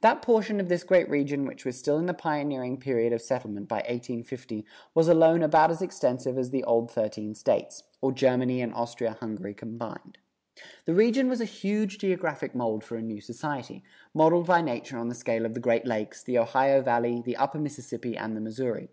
That portion of this great region which was still in the pioneering period of settlement by 1850 was alone about as extensive as the old thirteen States, or Germany and Austria Hungary combined. The region was a huge geographic mold for a new society, modeled by nature on the scale of the Great Lakes, the Ohio Valley, the upper Mississippi and the Missouri.